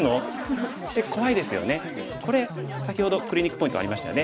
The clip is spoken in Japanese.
これ先ほどクリニックポイントありましたよね。